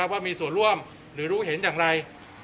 ว่ามีส่วนร่วมหรือรู้เห็นอย่างไร